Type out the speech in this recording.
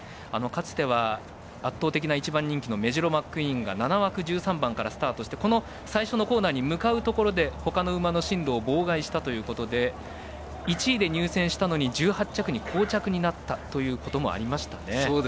かつては、圧倒的な人気のメジロマックイーンが７枠１３番からスタートして最初のコーナーに向かうところでほかの馬の進路を妨害したということで１位で入線したのに１８着に降着になったということもありましたね。